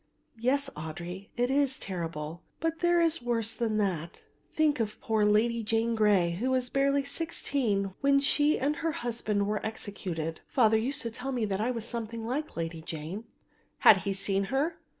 "Yes, Audry, it is terrible, but there is worse than that, think of poor Lady Jane Grey who was barely sixteen when she and her husband were executed. Father used to tell me that I was something like the Lady Jane." "Had he seen her?"